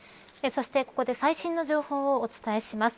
そしてここで最新の情報をお伝えします。